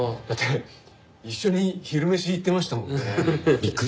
だって一緒に昼飯行ってましたもんね。